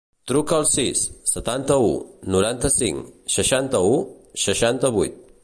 Truca al sis, setanta-u, noranta-cinc, seixanta-u, seixanta-vuit.